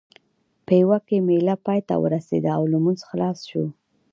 پېوه کې مېله پای ته ورسېده او لمونځ خلاص شو.